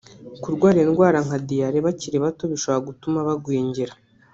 kurwara indwara nka diyare bakiri bato bishobora gutuma bagwingira